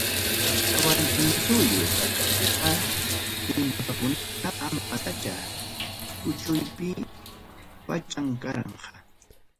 Tawantinsuyu pachapiqa Inkakuna ama sacha kuchuypi pacham karqa.